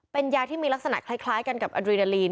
เป็นยาที่มีลักษณะคล้ายกันกับอดรีนาลีน